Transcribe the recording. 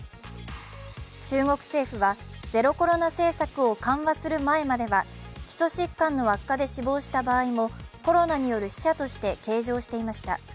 中国政府はゼロコロナ政策を緩和する前までは基礎疾患の悪化で死亡した場合もコロナによる死者として計上していました。